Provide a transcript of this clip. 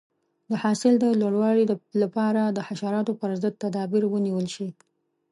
د حاصل د لوړوالي لپاره د حشراتو پر ضد تدابیر ونیول شي.